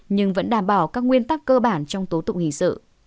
nhưng vẫn đảm bảo các nguyên tắc cơ bản trong tố tụng hình sự